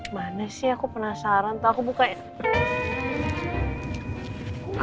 mana sih aku penasaran tau aku buka ya